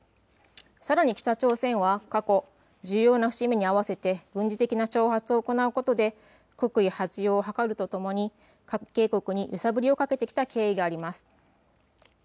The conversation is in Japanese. さらに北朝鮮は過去、重要な節目に合わせて軍事的な挑発を行うことで国威発揚を図るとともに関係国に揺さぶりをかけてきた経緯があります。